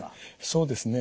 そうですね。